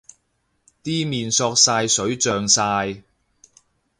啲麵索晒水脹晒